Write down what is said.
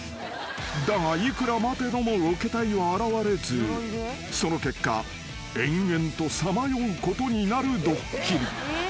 ［だがいくら待てどもロケ隊は現れずその結果延々とさまようことになるドッキリ］